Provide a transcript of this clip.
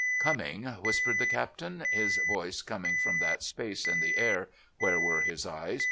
"Coming!" whispered the Captain, his voice coming from that space in the air where were his eyes.